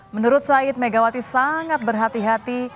menurut said megawati sangat berhati hati